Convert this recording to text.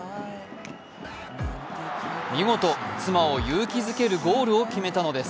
見事、妻を勇気づけるゴールを決めたのです。